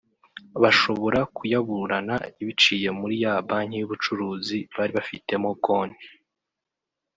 bashobora kuyaburana biciye muri ya banki y’ubucuruzi bari bafitemo konti